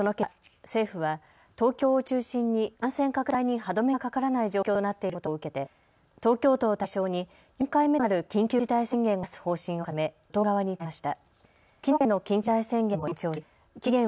その結果、政府は東京を中心に感染拡大に歯止めがかからない状況となっていることを受けて東京都を対象に４回目となる緊急事態宣言を出す方針を固め、与党側に伝えました。